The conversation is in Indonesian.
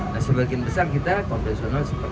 nah sebagian besar kita konvensional seperti